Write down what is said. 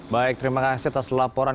baik terima kasih atas laporan